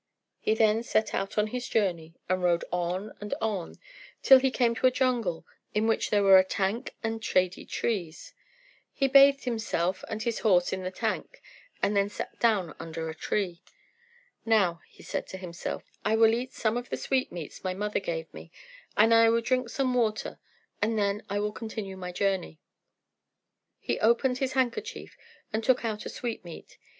He then set out on his journey, and rode on and on till he came to a jungle in which were a tank and shady trees. He bathed himself and his horse in the tank, and then sat down under a tree. "Now," he said to himself, "I will eat some of the sweetmeats my mother gave me, and I will drink some water, and then I will continue my journey." He opened his handkerchief, and took out a sweetmeat.